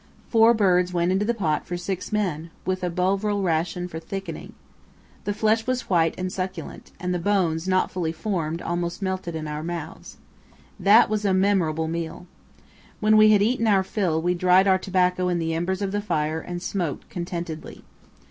Four birds went into the pot for six men, with a Bovril ration for thickening. The flesh was white and succulent, and the bones, not fully formed, almost melted in our mouths. That was a memorable meal. When we had eaten our fill, we dried our tobacco in the embers of the fire and smoked contentedly.